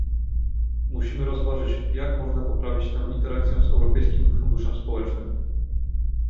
Musimy rozważyć, jak można poprawić tę interakcję z Europejskim Funduszem Społecznym